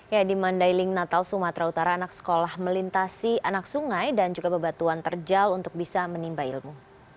ya di mandailing natal sumatera utara anak sekolah melintasi anak sungai dan juga bebatuan terjal untuk bisa menimba ilmu